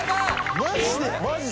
マジで！